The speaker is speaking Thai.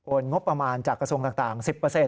งบประมาณจากกระทรวงต่าง๑๐